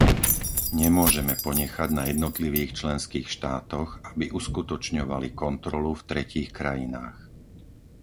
Nemôžeme ponechať na jednotlivých členských štátoch, aby uskutočňovali kontrolu v tretích krajinách.